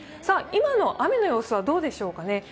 今の雨の様子はどうでしょうか。